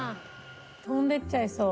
飛んでいっちゃいそう。